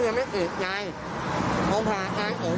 ไม่ไปทำงานทุกวันหรือเปล่า